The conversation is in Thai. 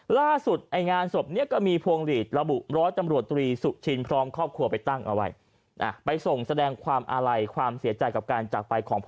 ล่าสุดงานศพก็มีพวงหลีดระบุร้อยจำรวจตรีสุชิน